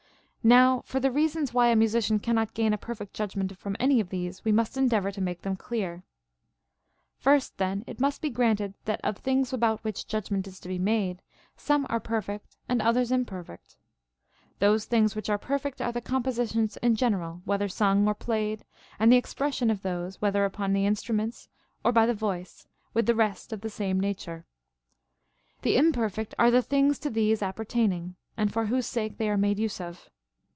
Now for the reasons why a musician cannot gain a perfect judgment from any of these, we must endeavor to make them clear. First then it must be granted that, of things about Avhich judgment is to be made, some are perfect and others imperfect. Those VOL. I. θ 130 CONCERNING MUSIC. things which are perfect are the compositions in general, whether sung or phiyed, and the expression of tliose, whether upon the instruments or by the voice, Λvith the rest of the same nature. The imperfect are the things to these apper taining, and for whose sake they are made use of.